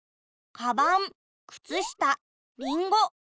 かばんくつしたりんご。